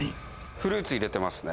フルーツ入れてますね。